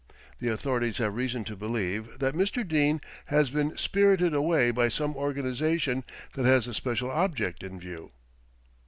The authorities have reason to believe that Mr. Dene has been spirited away by some organisation that has a special object in view.